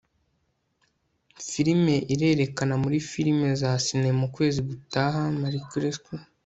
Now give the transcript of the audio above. filime irerekana muri firime za sinema ukwezi gutaha marcelostockle